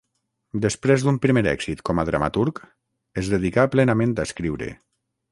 Després d'un primer èxit com a dramaturg, es dedicà plenament a escriure.